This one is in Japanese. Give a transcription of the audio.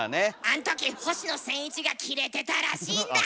あん時星野仙一がキレてたらしいんだ！